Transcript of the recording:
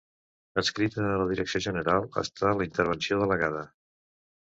Adscrita a la Direcció general està la Intervenció Delegada.